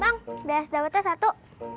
bang belas daunnya satu